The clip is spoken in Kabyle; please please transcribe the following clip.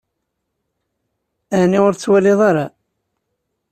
Aniɣ ur tettwaliḍ ara?